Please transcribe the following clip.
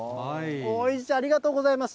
ありがとうございます。